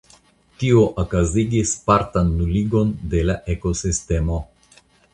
Tio okazigis partan nuligon de la ekosistemo.